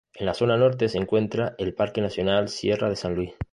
En la zona norte se encuentra el Parque nacional Sierra de San Luis.